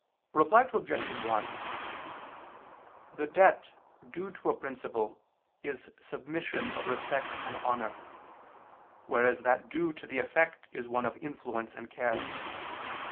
Reply Obj. 1: The debt due to a principle is submission of respect and honor, whereas that due to the effect is one of influence and care.